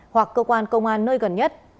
hoặc cơ quan công an nơi gần nhất